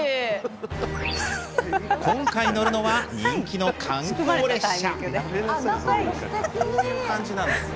今回乗るのは人気の観光列車。